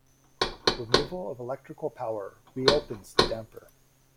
Removal of electrical power re-opens the damper.